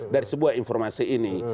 dari sebuah informasi ini